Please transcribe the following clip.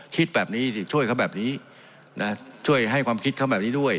คิดแบบนี้ดิช่วยเขาแบบนี้นะช่วยให้ความคิดเขาแบบนี้ด้วย